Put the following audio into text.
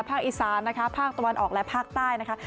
อีสานนะคะภาคตะวันออกและภาคใต้นะคะ